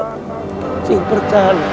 pengen clan kita